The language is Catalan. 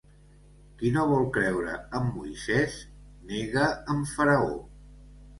Qui no vol creure amb Moisès, nega amb Faraó.